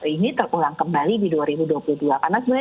ini terulang kembali